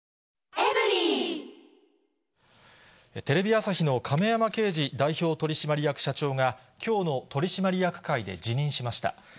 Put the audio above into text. テレビ朝日の亀山慶二代表取締役社長が、きょうの取締役会で辞任しました。